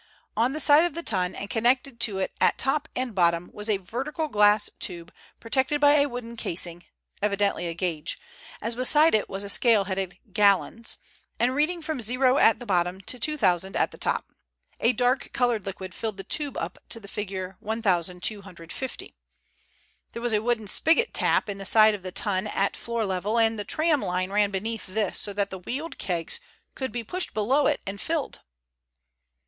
On the side of the tun and connected to it at top and bottom was a vertical glass tube protected by a wooden casing, evidently a gauge, as beside it was a scale headed "gallons," and reading from 0 at the bottom to 2,000 at the top. A dark colored liquid filled the tube up to the figure 1,250. There was a wooden spigot tap in the side of the tun at floor level, and the tramline ran beneath this so that the wheeled kegs could be pushed below it and filled.